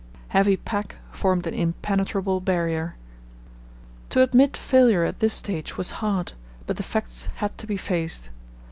Heavy pack formed an impenetrable barrier. To admit failure at this stage was hard, but the facts had to be faced.